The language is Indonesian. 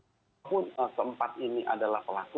namun keempat ini adalah pelaku